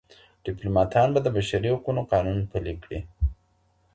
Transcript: ډیپلوماټان به د بشري حقونو قانون پلی کړي.